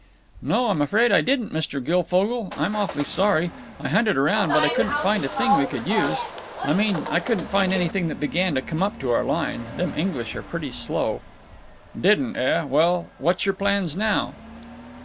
"No, I'm afraid I didn't, Mr. Guilfogle. I'm awfully sorry. I hunted around, but I couldn't find a thing we could use. I mean I couldn't find anything that began to come up to our line. Them English are pretty slow." "Didn't, eh? Well, what's your plans now?"